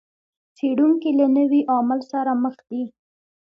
څېړونکي له نوي عامل سره مخ دي.